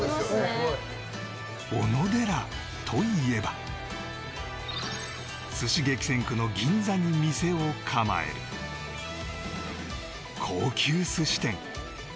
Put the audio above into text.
おのでらといえば寿司激戦区の銀座に店を構える高級寿司店